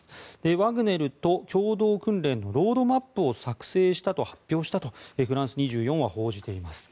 ワグネルと共同訓練のロードマップを作成したと発表したとフランス２４は報じています。